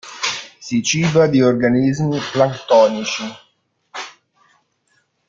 Si ciba di organismi planctonici.